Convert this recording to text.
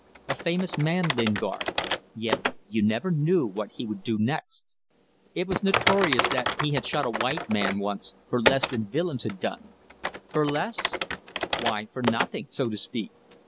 ... A famous man Lingard yet you never knew what he would do next. It was notorious that he had shot a white man once for less than Willems had done. For less? ... Why, for nothing, so to speak!